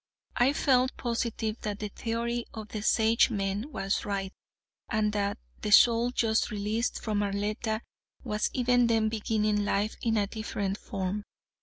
I felt positive that the theory of the Sagemen was right, and that the soul just released from Arletta was even then beginning life in a different form.